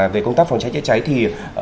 về công tác phòng cháy chạy cháy thì